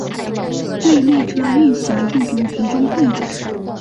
对列车运行进行集中控制。